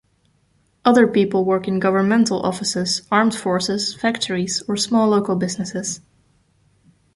Other people work in governmental offices, armed forces, factories or small local businesses.